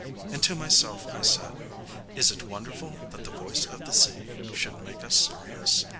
And to myself I said:—Is it wonderful that the voice of the sea should make us serious?